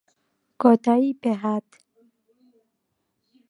کۆتایی پێ هات